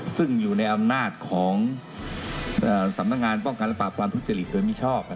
ซึ่งอยู่ในอำนาจของสำนักงานป้องกันและปราบความทุจริตโดยมิชอบ